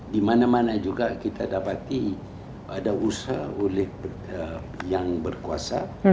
dimana mana juga kita dapati ada usaha yang berkuasa